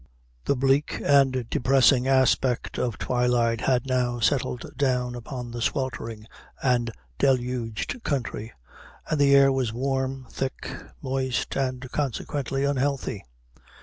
The bleak and depressing aspect of twilight had now settled down upon the sweltering and deluged country, and the air was warm, thick, moist, and consequently unhealthy.